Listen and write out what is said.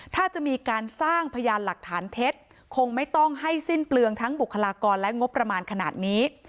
ถ้าจะมีการสร้างพยานหลักฐานเท็จคงไม่ต้องให้สิ้นเปลืองทั้งบุคลากรและงบประมาณขนาดนี้